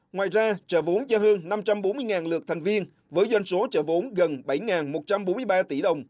ngoài ra trợ vốn cho hơn năm trăm bốn mươi lượt thành viên với doanh số chợ vốn gần bảy một trăm bốn mươi ba tỷ đồng